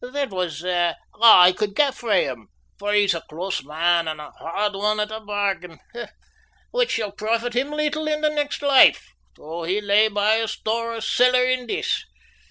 That was a' I could get frae him, for he's a close man and a hard one at a bargain which shall profit him leetle in the next life, though he lay by a store o' siller in this.